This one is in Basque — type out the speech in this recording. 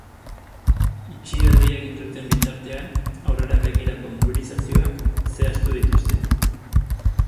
Itxialdia egin duten bitartean, aurrera begirako mobilizazioak zehaztu dituzte.